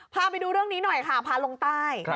พาไปดูเรื่องนี้หน่อยค่ะพาลงใต้